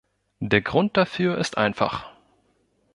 Der Grund dafür ist einfach.